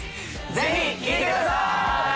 ぜひ聴いてください！